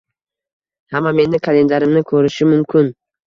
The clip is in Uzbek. hamma meni kalendarimni koʻrishi mumkin.